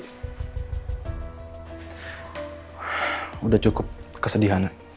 sudah cukup kesedihan